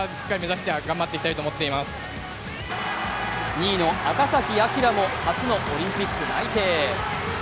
２位の赤崎暁も初のオリンピック内定。